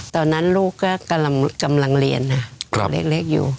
ตอนนั้นลูกก็กำลังเรียนนะเล็กอยู่